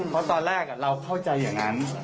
เพราะตอนแรกเราเข้าใจอย่างนั้น